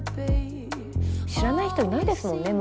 知らない人いないですもんね